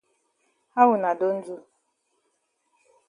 How wuna don do?